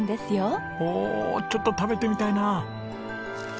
おおちょっと食べてみたいな。